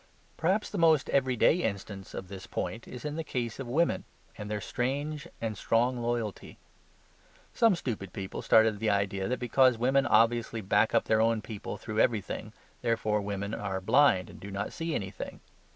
Perhaps the most everyday instance of this point is in the case of women; and their strange and strong loyalty. Some stupid people started the idea that because women obviously back up their own people through everything, therefore women are blind and do not see anything.